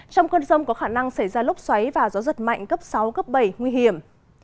trong cơn rông có khả năng xảy ra lốc xoáy và gió giật mạnh cấp sáu cấp bảy nguy hiểm